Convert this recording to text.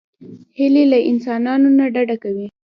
هیلۍ له انسانانو نه ډډه کوي